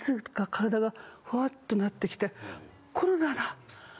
体がフワッとなってきてコロナだ。